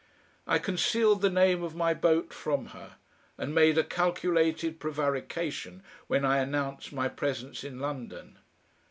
I concealed the name of my boat from her, and made a calculated prevarication when I announced my presence in London.